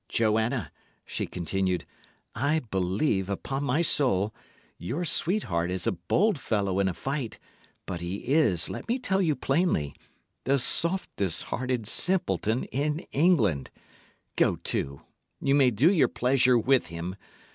"Joanna," she continued, "I believe, upon my soul, your sweetheart is a bold fellow in a fight, but he is, let me tell you plainly, the softest hearted simpleton in England. Go to ye may do your pleasure with him!